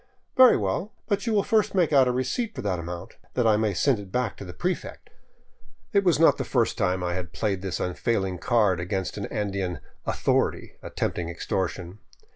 " Very well ; but you will first make out a receipt for that amount, that I may send it back to the prefect." 527 VAGABONDING DOWN THE ANDES It was not the first time I had played this unfailing card against an Andean "authority" attempting extortion.